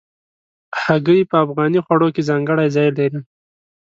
هګۍ په افغاني خوړو کې ځانګړی ځای لري.